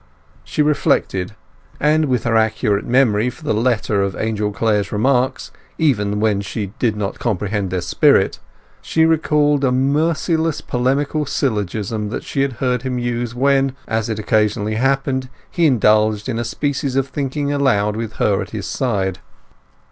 She reflected; and with her acute memory for the letter of Angel Clare's remarks, even when she did not comprehend their spirit, she recalled a merciless polemical syllogism that she had heard him use when, as it occasionally happened, he indulged in a species of thinking aloud with her at his side.